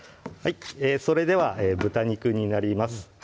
それでは豚肉になります